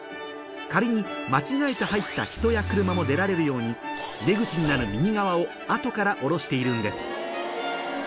仮に間違えて入った人や車も出られるように出口になる右側を後から下ろしているんです